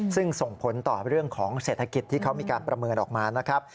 ซึ่งส่งผลต่อเรื่องของเศรษฐกิจที่เขามีการประเมินออกมานะครับ